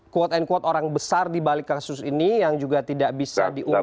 quote unquote orang besar dibalik kasus ini yang juga tidak bisa diungkap